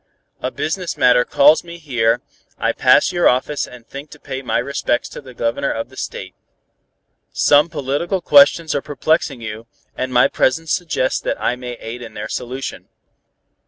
A business matter calls me here, I pass your office and think to pay my respects to the Governor of the State. Some political questions are perplexing you, and my presence suggests that I may aid in their solution.